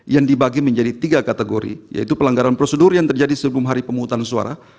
yang dibagi menjadi tiga kategori yaitu pelanggaran prosedur yang terjadi sebelum hari pemungutan suara